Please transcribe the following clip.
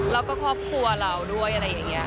แล้วก็ครอบครัวเราด้วยอะไรอย่างนี้